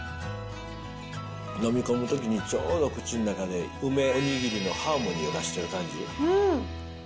飲み込むときにちょうど口の中で、梅おにぎりのハーモニーを出してる感じ。